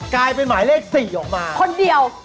กลายเป็นหมายเลข๔ออกมาคนเดียว